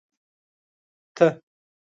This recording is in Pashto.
ته